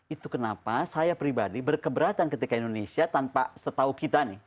itu kenapa saya pribadi berkeberatan ketika indonesia tanpa setahu kita nih